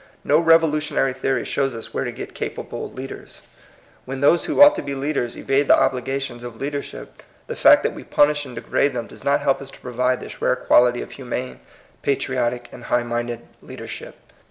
No revolutionary theory shows us where to get capable leaders. When 120 TUB COMING PEOPLE. those who ought to be leaders evade the obligatioDs of leadership, the fact that we ponish and degrade them does not help us to provide this rare quality of humane, par triotic, and high mioded leadership.